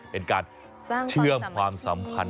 เป็นการเชื่อมความสำคัญ